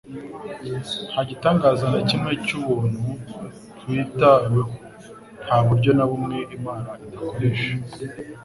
nta gitangaza na kimwe cy'ubuntu kuitaweho, nta buryo na bumwe Imana idakoresha.